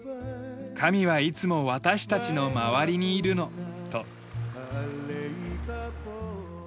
神はいつも私たちの周りにいるのと。